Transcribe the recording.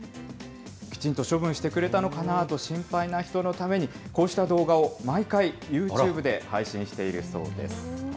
きちんと処分してくれたのかなと心配な方のために、こうした動画を毎回、ユーチューブで配信しているそうです。